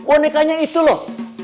onekanya itu loh